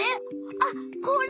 あっこれ！